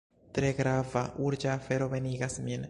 Tre grava, urĝa afero venigas min.